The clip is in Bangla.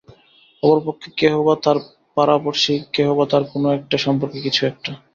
অপর পক্ষে কেহ-বা তার পাড়াপড়শি, কেহ-বা তার কোনো-একটা সম্পর্কে কিছু-একটা।